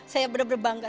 saya benar benar bangga